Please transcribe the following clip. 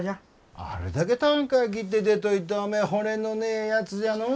あれだけたんかあ切って出といておめえ骨のねえやつじゃのお。